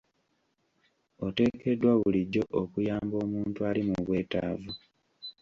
Oteekeddwa bulijjo okuyamba omuntu ali mu bwetaavu.